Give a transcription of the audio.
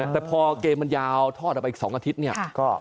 แต่พอเกมมันยาวทอดออกไปอีก๒อาทิตย์เนี่ย